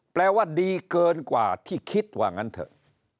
แปลว่าดีเกินกว่าที่คิดว่างั้นเถอะ